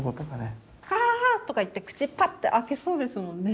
カアーとか言って口パッて開けそうですもんね。